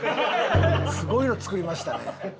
すごいの作りましたね。